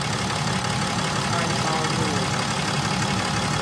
班超路